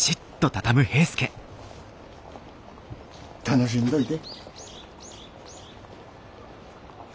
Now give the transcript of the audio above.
楽しんどいで。